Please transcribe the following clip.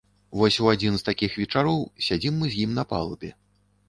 Вось у адзін з такіх вечароў сядзім мы з ім на палубе.